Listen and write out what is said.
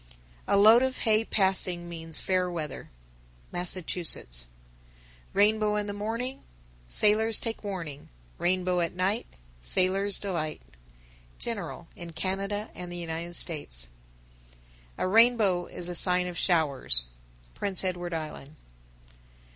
A load of hay passing means fair weather. Massachusetts. 975. Rainbow in the morning, Sailors take warning; Rainbow at night, Sailor's delight. General in Canada and the United States. 976. A rainbow is a sign of showers. _Prince Edward Island.